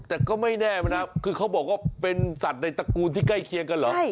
แต่ก็ไม่แน่มันนะคือเขาบอกว่าเป็นสัตว์ในตระกูลที่ใกล้เคียงกันเหรอ